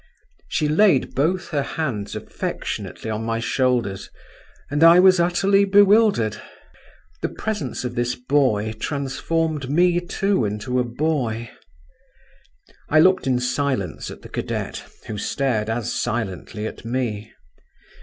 She laid both her hands affectionately on my shoulders, and I was utterly bewildered. The presence of this boy transformed me, too, into a boy. I looked in silence at the cadet, who stared as silently at me.